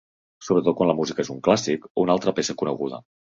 Sobretot quan la música és un clàssic o una altra peça coneguda.